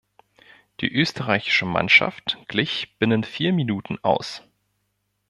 Die österreichische Mannschaft glich binnen vier Minuten aus.